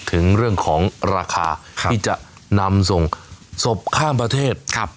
ถึงเรื่องของราคาที่จะนำส่งศพข้ามประเทศ